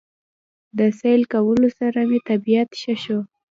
د سېل کولو سره مې طبعيت ښه شو